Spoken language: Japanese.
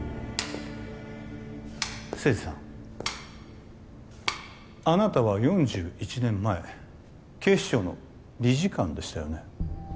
清二さんあなたは４１年前警視庁の理事官でしたよね？